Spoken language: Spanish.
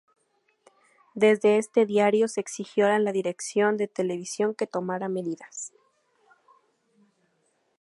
Desde este diario se exigió a la dirección de televisión que tomara medidas.